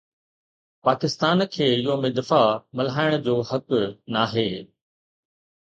پاڪستان کي يوم دفاع ملهائڻ جو حق ناهي